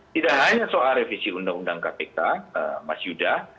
tidak hanya soal revisi undang undang kpk mas yuda